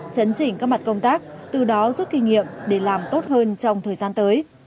chấn chỉnh các mặt công tác từ đó rút kinh nghiệm để làm tốt hơn trong thời gian tới